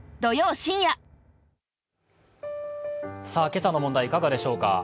今朝の問題いかがでしょうか。